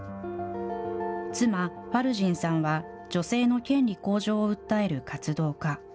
妻、ファルジンさんは、女性の権利向上を訴える活動家。